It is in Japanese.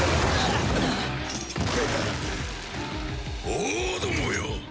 王どもよ！